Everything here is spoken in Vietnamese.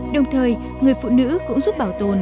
đồng thời người phụ nữ cũng giúp bảo tồn